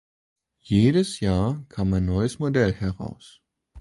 Jedes Jahr kam ein neues Modell heraus.